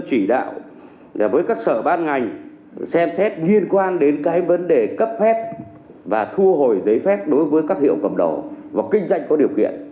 chỉ đạo với các sở ban ngành xem xét liên quan đến cái vấn đề cấp phép và thu hồi giấy phép đối với các hiệu cầm đầu hoặc kinh doanh có điều kiện